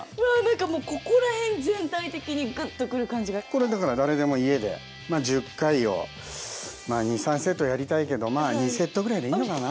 これだから誰でも家で１０回を２３セットはやりたいけどまあ２セットぐらいでいいのかな。